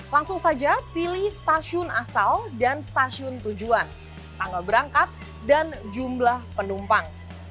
langsung saja pilih stasiun asal dan stasiun tujuan tanggal berangkat dan jumlah penumpang